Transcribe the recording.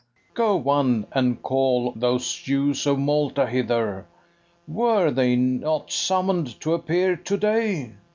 ] Go one and call those Jews of Malta hither: Were they not summon'd to appear to day?